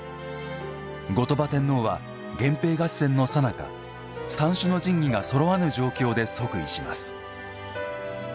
後鳥羽天皇は、源平合戦のさなか三種の神器がそろわぬ状況で即位します。